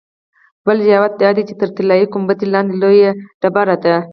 بل روایت دا دی چې تر طلایي ګنبدې لاندې لویه تیږه ده.